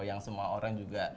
yang semua orang juga